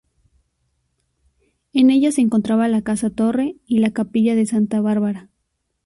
En ella se encuentran la casa Torre y la capilla de Santa Bárbara.